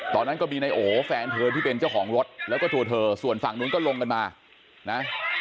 ตอนนั้นก็มีนายโอแฟนเธอที่เป็นเจ้าของรถแล้วก็ตัวเธอส่วนฝั่งนู้นก็ลงกันมานะ